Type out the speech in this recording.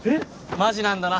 マジなんだな